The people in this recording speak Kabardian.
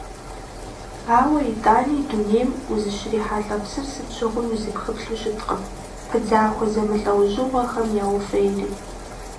Ауэ итӀани дунейм узыщрихьэлӀэ псыр сыт щыгъуи узыпхыплъу щыткъым, пыдзахуэ зэмылӀэужьыгъуэхэм яуфӀейри.